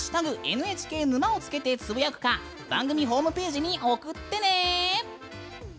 「＃ＮＨＫ沼」をつけてつぶやくか番組ホームページに送ってね。